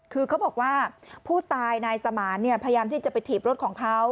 คือเขาบอกว่าผู้ตายนายสมานพยายามที่จะไปถีบรถของเขา